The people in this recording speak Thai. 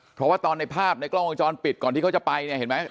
เพราะว่าตอนในภาพในกล้องวงจรปิดก่อนที่เขาจะไปเนี่ยเห็นไหม